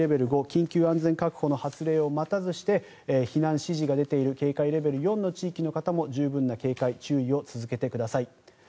５緊急安全確保の発令を待たずして避難指示が出ている警戒レベル４の地域の方も十分な警戒、注意を続けてください。